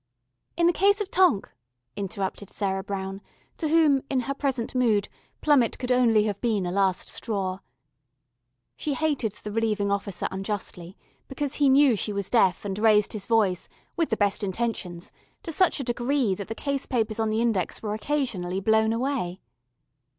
"In the case of Tonk " interrupted Sarah Brown, to whom, in her present mood, Plummett could only have been a last straw. She hated the Relieving Officer unjustly, because he knew she was deaf and raised his voice, with the best intentions, to such a degree that the case papers on the index were occasionally blown away.